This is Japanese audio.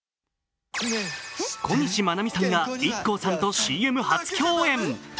小西真奈美さんがＩＫＫＯさんとＣＭ初共演。